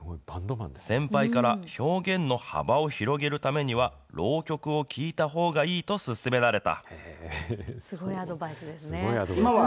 先輩から表現の幅を広げるためには、浪曲を聴いたほうがいいと勧められた。